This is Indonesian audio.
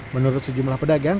menurut sejumlah pedagang